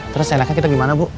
terus enaknya kita gimana bu